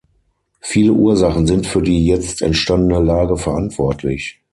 Viele Ursachen sind für die jetzt entstandene Lage verantwortlich.